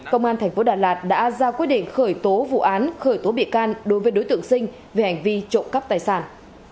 công an tp đà lạt đã ra quyết định khởi tố vụ án khởi tố bị can đối với đối tượng sinh về hành vi trộm cắp tài sản